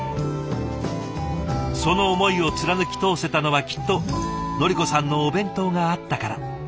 その思いを貫き通せたのはきっとのり子さんのお弁当があったから。